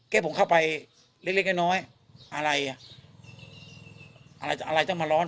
แค่ผมเข้าไปเล็กเล็กน้อยอะไรอ่ะอะไรอะไรต้องมาร้อน